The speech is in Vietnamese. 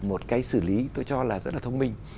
một cái xử lý tôi cho là rất là thông minh